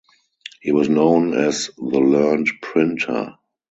He was known as the learned printer.